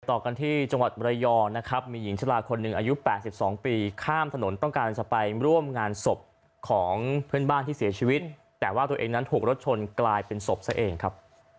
ต่อกันที่จังหวัดมรยองนะครับมีหญิงชะลาคนหนึ่งอายุ๘๒ปีข้ามถนนต้องการจะไปร่วมงานศพของเพื่อนบ้านที่เสียชีวิตแต่ว่าตัวเองนั้นถูกรถชนกลายเป็นศพซะเองครับ